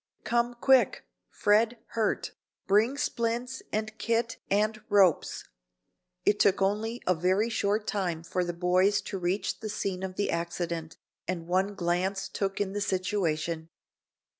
"Come quick! Fred hurt. Bring splints and kit and ropes." It took only a very short time for the boys to reach the scene of the accident, and one glance took in the situation.